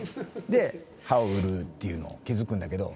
で歯を売るっていうのを気づくんだけど。